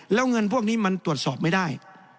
แล้วเงินพวกนี้มันตรวจสอบไม่ได้